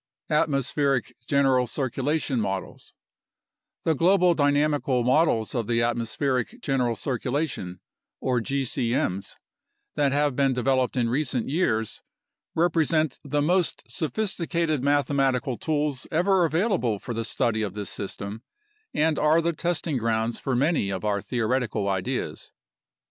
Atmospheric General Circulation Models The global dynamical models of the atmospheric general circulation (or gcm's) that have been A NATIONAL CLIMATIC RESEARCH PROGRAM 81 developed in recent years represent the most sophisticated mathe matical tools ever available for the study of this system and are the testing grounds for many of our theoretical ideas.